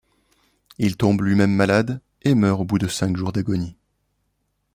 Il tombe lui-même malade et meurt au bout de cinq jours d'agonie.